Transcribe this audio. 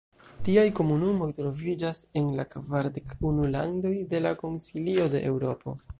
Tiaj komunumoj troviĝas en la kvardek unu landoj de la Konsilio de Eŭropo.